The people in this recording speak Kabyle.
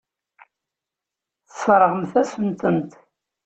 Tesseṛɣemt-asen-tent.